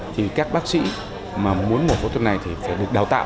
thì các bác sĩ mà muốn mổ phẫu thuật này thì phải được đào tạo